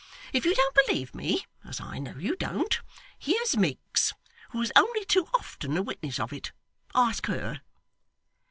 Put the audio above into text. If you don't believe me, as I know you don't, here's Miggs, who is only too often a witness of it ask her.